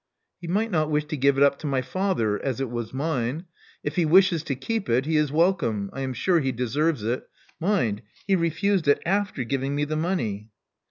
He might not wish to give it up to my father, as it was mine. If he wishes to keep it he is welcome. I am sure he deserves it. Mind: he refused it after giving me the money."